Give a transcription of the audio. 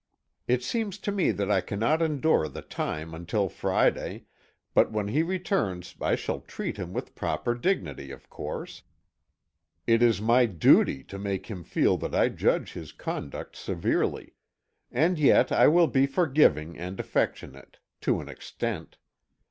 It seems to me that I cannot endure the time until Friday but when he returns I shall treat him with proper dignity, of course. It is my duty to make him feel that I judge his conduct severely. And yet, I will be forgiving and affectionate to an extent.